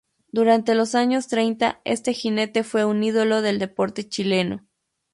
Durante los años treinta este jinete fue un ídolo del deporte chileno.